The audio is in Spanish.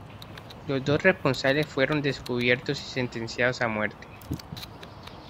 Los dos responsables fueron descubiertos y sentenciados a muerte.